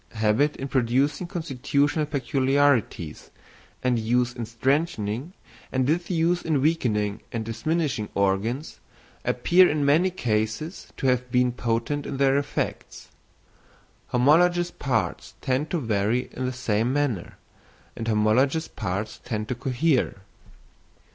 Habit in producing constitutional peculiarities, and use in strengthening, and disuse in weakening and diminishing organs, appear in many cases to have been potent in their effects. Homologous parts tend to vary in the same manner, and homologous parts tend to cohere.